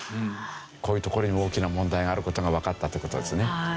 こういうところに大きな問題がある事がわかったという事ですね。